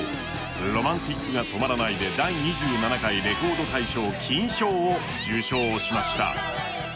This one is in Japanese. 「Ｒｏｍａｎｔｉｃが止まらない」で第２７回「レコード大賞」金賞を受賞しました。